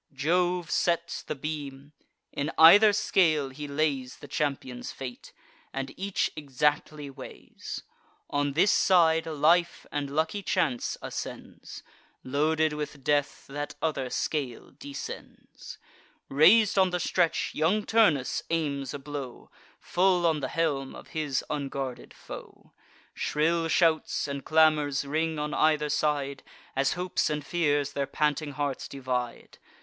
Jove sets the beam; in either scale he lays The champions' fate, and each exactly weighs. On this side, life and lucky chance ascends; Loaded with death, that other scale descends. Rais'd on the stretch, young Turnus aims a blow Full on the helm of his unguarded foe: Shrill shouts and clamours ring on either side, As hopes and fears their panting hearts divide.